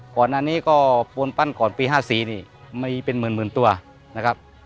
ก่อนอันนี้ก็ปูนปั้นก่อนปีห้าสี่นี่ไม่เป็นหมื่นหมื่นตัวนะครับ